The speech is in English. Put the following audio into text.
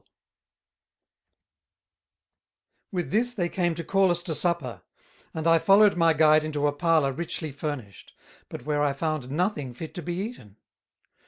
[Sidenote: The Manner of Eating] With this they came to call us to Supper, and I followed my Guide into a Parlour richly furnished; but where I found nothing fit to be eaten.